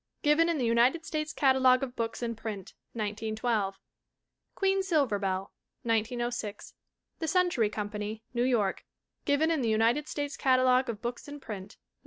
Given in the United States Catalogue of Books in Print (1912). Queen Silverbell, 1906. The Century Company, New York. Given in the United States Catalogue of Books in Print (1912).